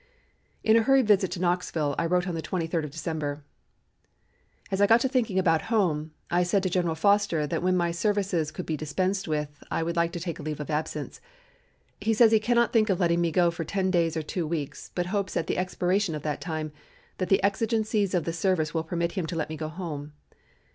In a hurried visit to Knoxville I wrote on the 23d of December: "As I got to thinking about home, I said to General Foster that when my services could be dispensed with, I would like to take a leave of absence. He says he cannot think of letting me go for ten days or two weeks, but hopes at the expiration of that time that the exigencies of the service will permit him to let me go home.